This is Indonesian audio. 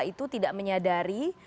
itu tidak menyadari